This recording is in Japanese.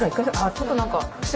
ちょっと何か。